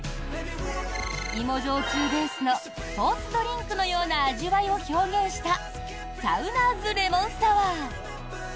芋焼酎ベースのスポーツドリンクのような味わいを表現したサウナーズレモンサワー。